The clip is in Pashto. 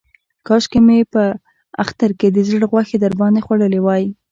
کاشکې مې په اختر کې د زړه غوښې در باندې خوړلې وای.